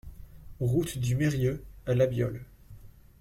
Route du Meyrieux à La Biolle